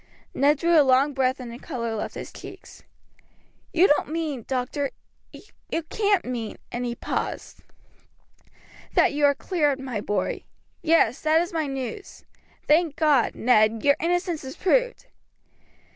Ned drew a long breath and the color left his cheeks. "You don't mean, doctor, you can't mean" and he paused. "That you are cleared, my boy. Yes; that is my news. Thank God, Ned, your innocence is proved."